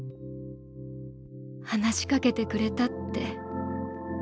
話しかけてくれたって。